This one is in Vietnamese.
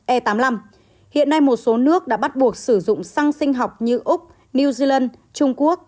e tám mươi năm hiện nay một số nước đã bắt buộc sử dụng săng sinh học như úc new zealand trung quốc